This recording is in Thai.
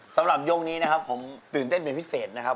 สำหรับยกนี้นะครับผมตื่นเต้นเป็นพิเศษนะครับ